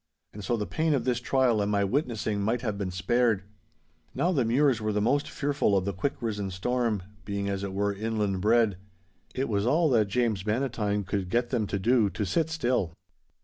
And so the pain of this trial and my witnessing might have been spared. 'Now the Mures were the most fearful of the quick risen storm, being as it were inland bred. It was all that James Bannatyne could get them to do to sit still.